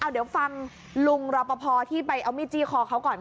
เดี๋ยวฟังลุงรอปภที่ไปเอามีดจี้คอเขาก่อนค่ะ